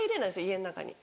家の中に。